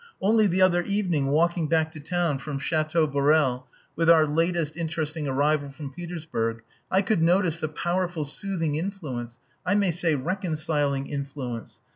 "Only the other evening walking back to town from Chateau Borel with our latest interesting arrival from Petersburg, I could notice the powerful soothing influence I may say reconciling influence....